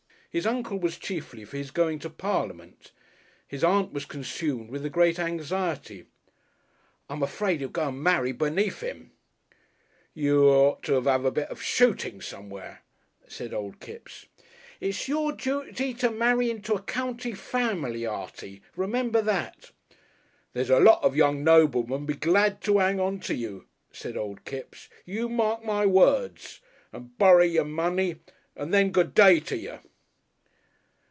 His Uncle was chiefly for his going into Parliament, his Aunt was consumed with a great anxiety. "I'm afraid he'll go and marry beneath 'im." "Y'ought to 'ave a bit o' shootin' somewheer," said Old Kipps. "It's your duty to marry into a county family, Artie. Remember that." "There's lots of young noblemen'll be glad to 'ang on to you," said Old Kipps. "You mark my words. And borry your money. And then, good day to ye."